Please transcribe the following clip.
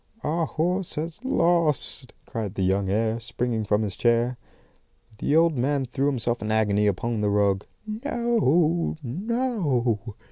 "'Our horse has lost!' cried the young heir, springing from his chair. "The old man threw himself in agony upon the rug. 'No, no!